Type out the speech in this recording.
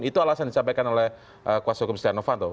itu alasan disampaikan oleh kuasa hukum setia novanto